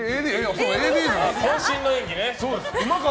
渾身の演技ね。